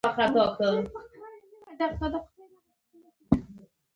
د وینې د پاکوالي لپاره کومه میوه وکاروم؟